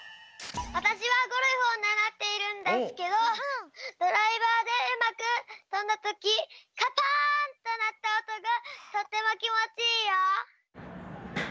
わたしはゴルフをならっているんですけどドライバーでうまくとんだときカパーンってなったおとがとてもきもちいいよ。